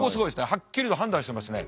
はっきりと判断してますね。